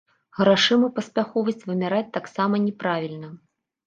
Грашыма паспяховасць вымяраць таксама няправільна.